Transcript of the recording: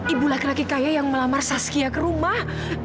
ibu laki laki kaya yang melamar saskia ke rumah